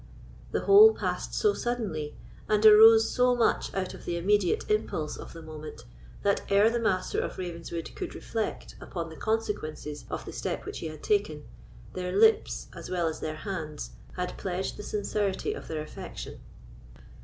The whole passed so suddenly, and arose so much out of the immediate impulse of the moment, that ere the Master of Ravenswood could reflect upon the consequences of the step which he had taken, their lips, as well as their hands, had pledged the sincerity of their affection.